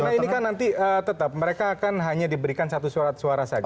karena ini kan nanti tetap mereka akan hanya diberikan satu surat suara saja